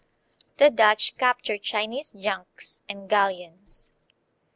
TJie Dutch Capture Chinese Junks, and Galleons.